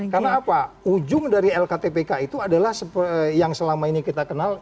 karena apa ujung dari lktpk itu adalah yang selama ini kita kenal